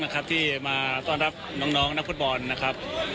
ค่ะขอบคุณมากค่ะ